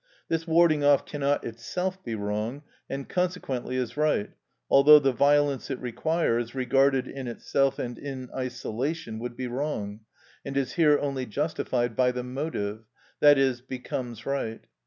This warding off cannot itself be wrong, and consequently is right, although the violence it requires, regarded in itself and in isolation, would be wrong, and is here only justified by the motive, i.e., becomes right.